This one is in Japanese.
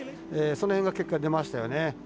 その辺が結果に出ましたよね。